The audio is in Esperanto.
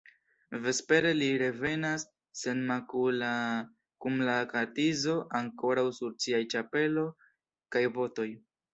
Vespere li revenas senmakula kun la katizo ankoraŭ sur siaj ĉapelo kaj botoj.